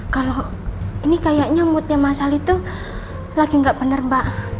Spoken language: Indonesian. kalau ini kayaknya moodnya mas al itu lagi gak bener mbak